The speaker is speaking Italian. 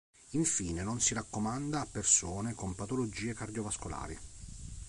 Infine non si raccomanda a persone con patologie cardiovascolari.